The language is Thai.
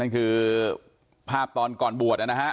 อ่านั่นคือภาพตอนก่อนบวชนะฮะ